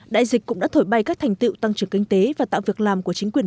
đại dịch cũng đã thổi bay các thành tựu tăng trưởng kinh tế và tạo việc làm của chính quyền